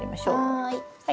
はい。